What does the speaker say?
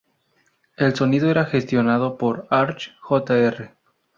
El sonido era gestionado por Arch Jr.